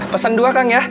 pesan dua kang ya